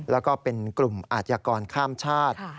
แล้วก็เป็นกลุ่มอาชญากรข้ามชาติ